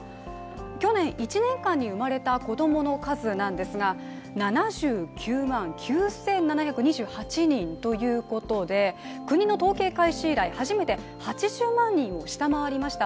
去年１年間に生まれた子供の数なんですが７９万９７２８人ということで、国の統計開始以来初めて８０万人を下回りました。